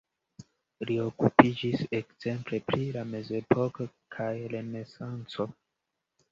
Li okupiĝis ekzemple pri la mezepoko kaj renesanco.